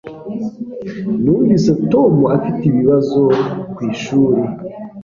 Numvise Tom afite ibibazo kwishuri.